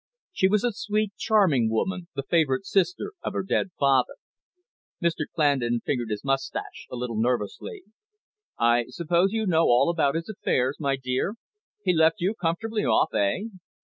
She was a sweet, charming woman, the favourite sister of her dead father. Mr Clandon fingered his moustache a little nervously. "I suppose you know all about his affairs, my dear? He has left you comfortably off, eh?